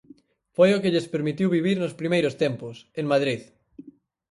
Foi o que lles permitiu vivir nos primeiros tempos, en Madrid.